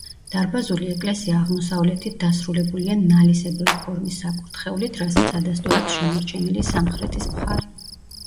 დარბაზული ეკლესია აღმოსავლეთით დასრულებულია ნალისებრი ფორმის საკურთხევლით, რასაც ადასტურებს შემორჩენილი სამხრეთის მხარი.